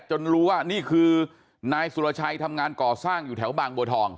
รู้ว่านี่คือนายสุรชัยทำงานก่อสร้างอยู่แถวบางบัวทอง